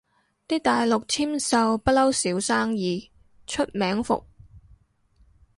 啲大陸簽售不嬲少生意，出名伏